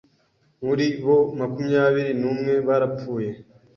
muri bo makumyabiri numwe barapfuye